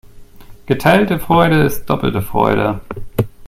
Geteilte Freude ist doppelte Freude.